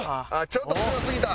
ちょっと強すぎた。